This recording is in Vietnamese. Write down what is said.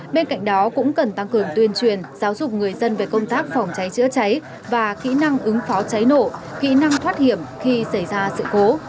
bên cạnh đó cũng cần tăng cường tuyên truyền giáo dục người dân về công tác phòng cháy chữa cháy và kỹ năng ứng phó cháy nổ kỹ năng thoát hiểm khi xảy ra sự cố